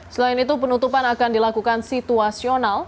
selain itu penutupan akan dilakukan situasional